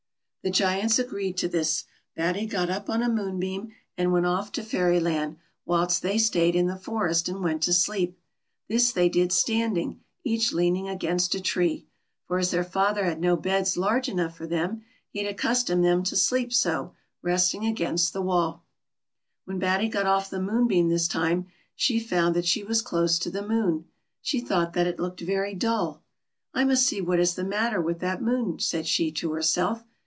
The Giants agreed to this. Batty got up on a moon beam, and went ofif to Fairyland, whilst they stayed in the forest and went to sleep ; this they did standing, each leaning against a tree; for as their father had no beds large enough for them, he had accustomed them to sleep so, resting against the wall. When Batty got off the moonbeam this time, she found that she was close to the moon. She thought that it looked very dull, " I must see what is the matter with that moon," said she to herself.